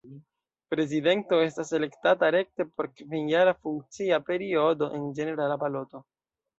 Prezidento estas elektata rekte por kvinjara funkcia periodo en ĝenerala baloto.